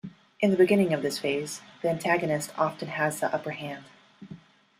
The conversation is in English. In the beginning of this phase, the antagonist often has the upper hand.